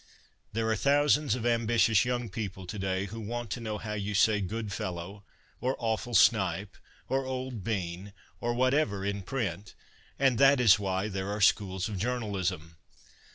There are thousands of ambitious young people to day who want to know how you say good fellow, or awful snipe, or old bean, or whatever, in print, and that is why there are Schools of Journalism.